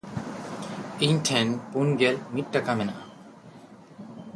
ᱤᱧ ᱴᱷᱮᱱ ᱯᱩᱱᱜᱮᱞ ᱢᱤᱫ ᱴᱟᱠᱟ ᱢᱮᱱᱟᱜᱼᱟ᱾